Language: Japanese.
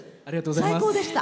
最高でした。